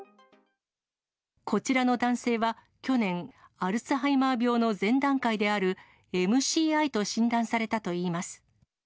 こちらの男性は去年、アルツハイマー病の前段階である、ＭＣＩと診断されたといいます。